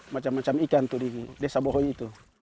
macam macam ikan tuh di desa bohoy itu